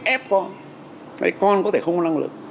ép con con có thể không có năng lực